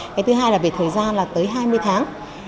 cái thứ hai là về thời gian là tới hai mươi tháng